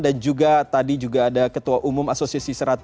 dan juga tadi juga ada ketua umum asosiasi seratus